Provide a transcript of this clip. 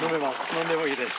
飲んでもいいです。